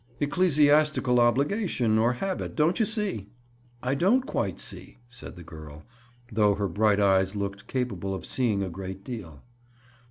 Ecclesiastical obligation, or habit, don't you see!" "I don't quite see," said the girl, though her bright eyes looked capable of seeing a great deal.